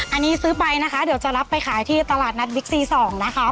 อันนี้ซื้อไปนะคะเดี๋ยวจะรับไปขายที่ตลาดนัดบิ๊กซี๒นะคะ